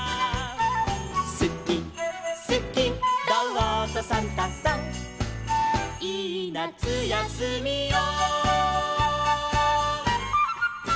「すきすきどうぞサンタさん」「いいなつやすみを」